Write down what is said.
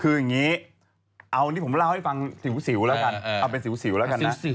คืออย่างนี้เอานี่ผมเล่าให้ฟังสิวแล้วกันเอาเป็นสิวแล้วกันนะ